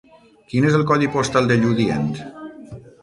Quin és el codi postal de Lludient?